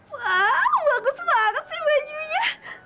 wow bagus banget sih bajunya